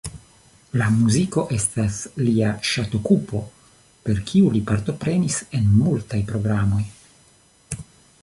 La muziko estas lia ŝatokupo, per kiu li partoprenis en multaj programoj.